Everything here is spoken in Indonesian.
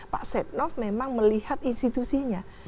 pak setia novanto memang melihat institusinya